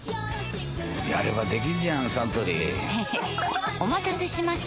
やればできんじゃんサントリーへへっお待たせしました！